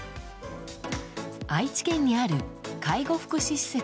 愛知県にある介護福祉施設。